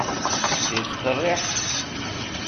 Yettqerriḥ?